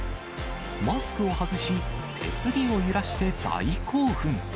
マスクを外し、手すりを揺らして大興奮。